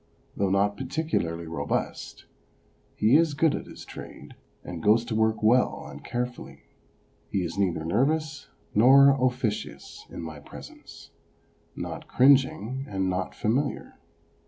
Though not particularly robust, he is good at his trade, and goes to work well and carefully. He is neither nervous nor officious in my presence, not cringing and not familiar.